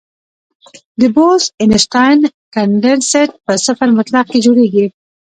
د بوز-اینشټاین کنډنسیټ په صفر مطلق کې جوړېږي.